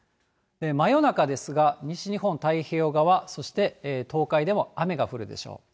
真夜中ですが、西日本、太平洋側、そして東海でも雨が降るでしょう。